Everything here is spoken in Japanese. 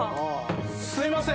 すみません。